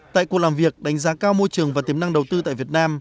tại cuộc làm việc đánh giá cao môi trường và tiềm năng đầu tư tại việt nam